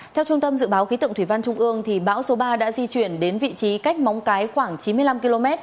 theo trung tâm dự báo khí tượng thủy văn trung ương bão số ba đã di chuyển đến vị trí cách móng cái khoảng chín mươi năm km